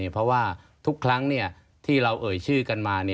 เพราะว่าทุกครั้งที่เราเอ่ยชื่อกันมา